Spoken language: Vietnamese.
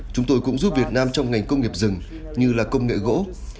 chúng tôi cũng giúp việt nam trong ngành công nghiệp rừng như là công nghệ gỗ